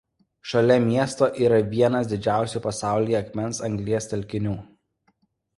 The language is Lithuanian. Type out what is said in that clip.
Šalia miesto yra vienas didžiausių pasaulyje akmens anglies telkinių.